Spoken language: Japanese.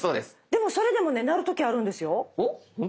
でもそれでもね鳴る時あるんですよ。